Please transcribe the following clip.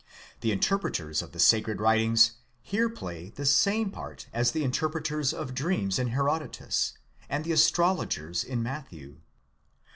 1* The interpreters of the sacred writ ings here play the same part as the interpreters of dreams in Herodotus, and the astrologers in Matthew.